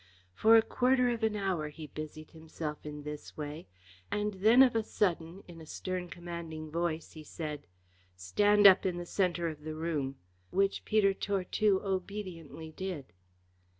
For a quarter of an hour he busied himself in this way, and then of a sudden in a stern commanding voice he said: "Stand up in the centre of the room," which Peter Tortue obediently did.